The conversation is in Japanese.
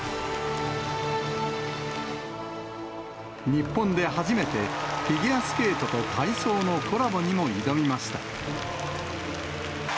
日本で初めて、フィギュアスケートと体操のコラボにも挑みました。